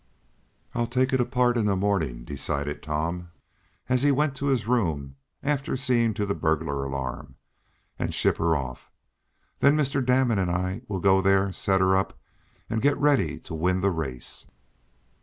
"I'll take it apart in the morning," decided Tom, as he went to his room, after seeing to the burglar alarm, "and ship her off. Then Mr. Damon and I will go there, set her up, and get ready to win the race."